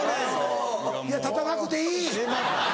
いや立たなくていい。